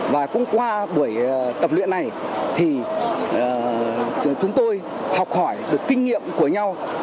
và cũng qua buổi tập luyện này thì chúng tôi học hỏi được kinh nghiệm của nhau